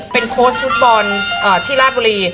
เป็นโค้ชฟุตบอลที่ราชบุรี